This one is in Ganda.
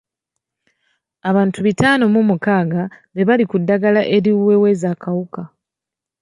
Abantu bitaano mu mukaaga be bali ku ddagala eriweweeza akawuka.